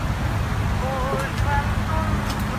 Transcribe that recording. دا د سليم فطرت غوښتنه ده.